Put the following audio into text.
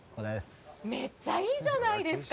めっちゃいいじゃないですか。